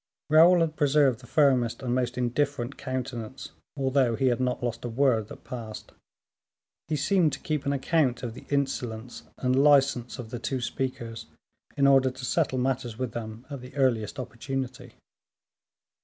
Raoul had preserved the firmest and most indifferent countenance, although he had not lost a word that passed. He seemed to keep an account of the insolence and license of the two speakers in order to settle matters with them at the earliest opportunity.